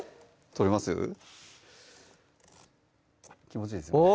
気持ちいいですうわ！